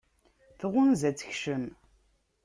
Tɣunza ad tekcem.